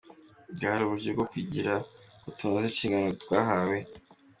Bwari uburyo byo kugira ngo tunoze inshingano twahawe.